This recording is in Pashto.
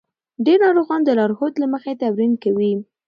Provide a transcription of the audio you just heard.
ډېر ناروغان د لارښود له مخې تمرین کوي.